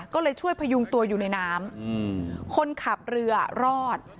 ก็เลยช่วยพยุงตัวอยู่ในน้ำคนขับเรือรอด